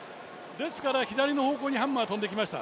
ですから左の方向にハンマー飛んでいきました。